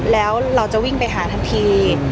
แล้วเราจะวิ่งไปหาทันที